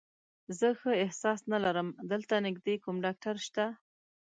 زه ښه احساس نه لرم، دلته نږدې کوم ډاکټر شته؟